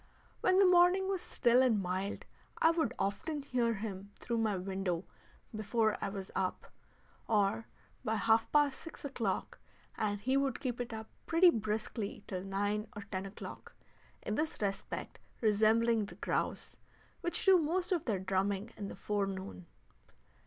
When the morning was still and mild I would often hear him through my window before I was up, or by half past six o'clock, and he would keep it up pretty briskly till nine or ten o'clock, in this respect resembling the grouse, which do most of their drumming in the forenoon.